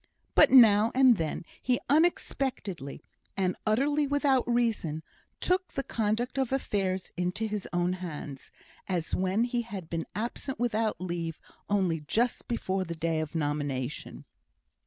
But now and then he unexpectedly, and utterly without reason, took the conduct of affairs into his own hands, as when he had been absent without leave only just before the day of nomination.